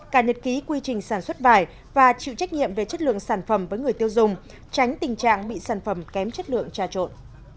cả nhật ký quy trình sản xuất vải và chịu trách nhiệm về chất lượng sản phẩm với người tiêu dùng tránh tình trạng bị sản phẩm kém chất lượng trà trộn